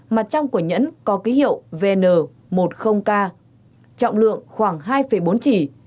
mặt trong của nhẫn có ký hiệu vn một mươi k trọng lượng khoảng hai bốn trì